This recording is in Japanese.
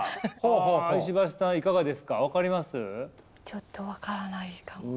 ちょっと分からないかも。